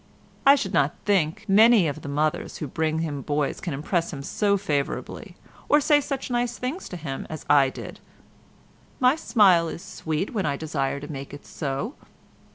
I should not think many of the mothers who bring him boys can impress him so favourably, or say such nice things to him as I did. My smile is sweet when I desire to make it so.